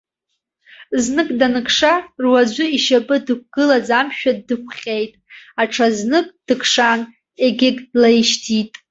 Знык даныкша, руаӡәы ишьапы дықәгылаӡамшәа дықәҟьеит, аҽазнык дыкшан, егьыгь длаишьҭит.